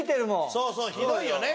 そうそうひどいよね